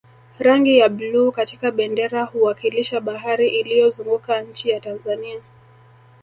rangi ya bluu katika bendera huwakilisha bahari iliyozunguka nchi ya tanzania